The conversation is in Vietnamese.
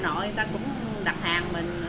người ta cũng đặt hàng mình